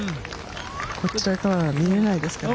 こちらからは見えないですからね。